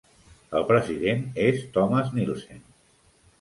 El president és Thomas Neelsen.